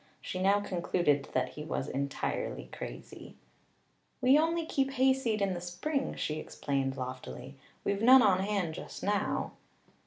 She now concluded that he was entirely crazy. "We only keep hayseed in the spring," she explained loftily. "We've none on hand just now."